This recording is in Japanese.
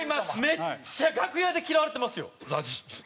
めっちゃ楽屋で嫌われてますよＺＡＺＹ。